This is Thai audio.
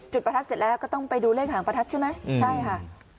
ประทัดเสร็จแล้วก็ต้องไปดูเลขหางประทัดใช่ไหมใช่ค่ะ